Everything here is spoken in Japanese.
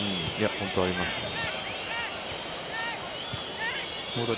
本当ありますね。